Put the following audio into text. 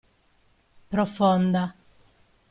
Profonda.